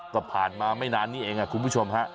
ก็ผ่านมาไม่นานนี่เองคุณผู้ชมฮะ